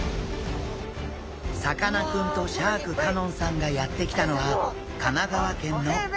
さかなクンとシャーク香音さんがやって来たのは神奈川県の小田原市場。